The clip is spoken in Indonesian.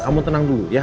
kamu tenang dulu ya